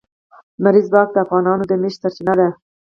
لمریز ځواک د افغانانو د معیشت سرچینه ده.